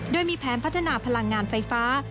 โดยมีแผนพัฒนาพลังงานไฟฟ้า